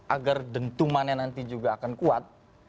agar dentumannya nanti juga akan kuat